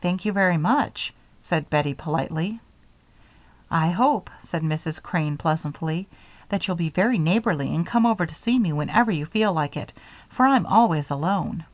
"Thank you very much," said Bettie, politely. "I hope," said Mrs. Crane, pleasantly, "that you'll be very neighborly and come over to see me whenever you feel like it, for I'm always alone."